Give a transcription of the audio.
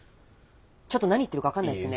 ちょっと何言ってるか分からないですね。